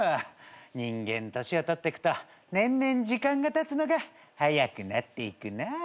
人間年を取ってくと年々時間がたつのがはやくなっていくなぁ。